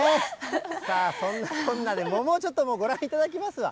さあ、そんなこんなで桃をちょっとご覧いただきますわ。